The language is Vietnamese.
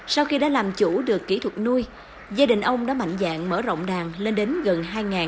sau khi đã làm chủ được kỹ thuật nuôi gia đình ông đã mạnh dạng mở rộng đàn lên đến gần hai